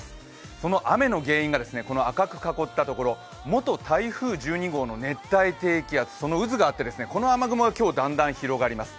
その雨の原因がこの赤く囲ったところ元台風１２号の熱帯低気圧、その渦があって、この雨雲が今日だんだん広がります。